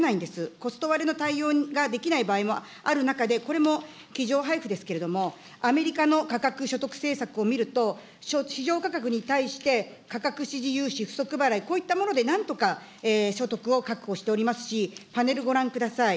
コスト割れの対応ができない場合もある中で、これも机上配付ですけれども、アメリカの価格所得政策を見ると、市場価格に対して、価格支持有志不足払い、こういったもので、なんとか所得を確保しておりますし、パネルご覧ください。